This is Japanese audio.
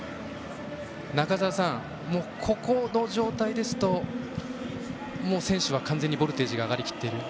中澤さん、ここの状態ですともう選手は完全にボルテージが上がりきっていると。